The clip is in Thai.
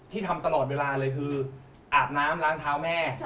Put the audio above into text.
ทำตลอดเวลาเลยคืออาบน้ำล้างเท้าแม่